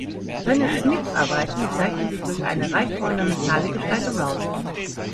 Seine Schnitzarbeiten zeichnen sich durch eine reiche ornamentale Gestaltung aus.